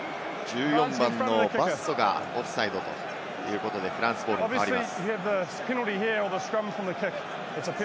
１４番のバッソがオフサイドということで、フランスボールに変わります。